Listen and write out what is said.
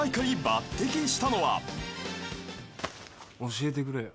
「教えてくれよ」